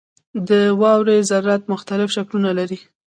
• د واورې ذرات مختلف شکلونه لري.